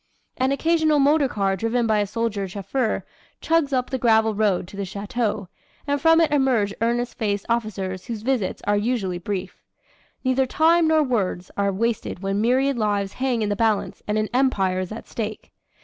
"An occasional motorcar driven by a soldier chauffeur chugs up the gravel road to the chateau and from it emerge earnest faced officers whose visits are usually brief. Neither time nor words are wasted when myriad lives hang in the balance and an empire is at stake.